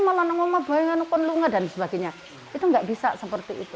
pemerintah yang paling bawah yang harus peduli